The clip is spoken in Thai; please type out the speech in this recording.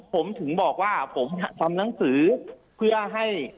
ผมถึงบอกว่าผมทำหนังสือเพื่อให้